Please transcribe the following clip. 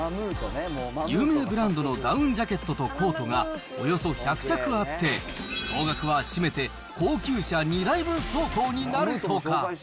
有名ブランドのダウンジャケットとコートがおよそ１００着あって、総額はしめて高級車２台分相当になるとか。